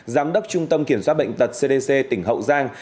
giám đốc trung tâm kiểm soát bệnh tật cdc tỉnh hậu giang